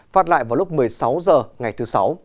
phát lại vào lúc một mươi sáu h ngày thứ sáu